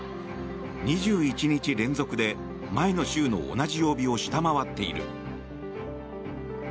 ２１日連続で前の週の同じ曜日を下回っている。